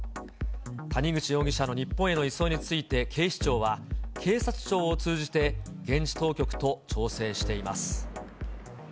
谷口容疑者の日本への移送について、警視庁は、警察庁を通じて現地当局と調整しています。